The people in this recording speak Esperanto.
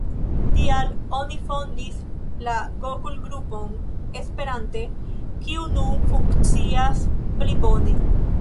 Tial oni fondis la google-grupon esperante, kiu nun funkcias pli bone.